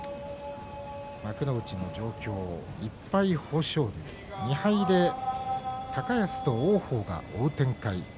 幕内の状況、１敗、豊昇龍２敗で高安と王鵬が追う展開です。